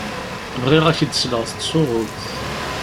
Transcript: Bɣiɣ ad k-id-sleɣ tettsuɣuḍ.